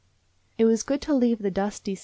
It was good to leave the dusty C.